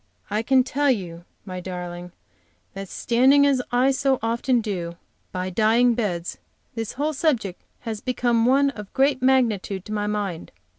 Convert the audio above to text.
I can tell you, my darling, that standing, as I so often do, by dying beds, this whole subject has become one of great magnitude to my mind.